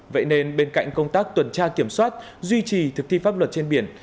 vậy nên bên cạnh công tác tuần tra kiểm soát duy trì thực thi pháp luật trên biển